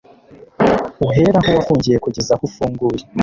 uhere aho wafungiye kugeza aho ufunguye